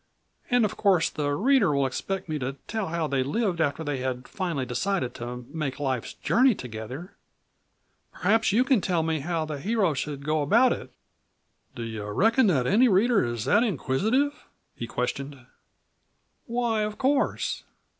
And of course the reader will expect me to tell how they lived after they had finally decided to make life's journey together. Perhaps you can tell me how the hero should go about it." "Do you reckon that any reader is that inquisitive?" he questioned. "Why of course."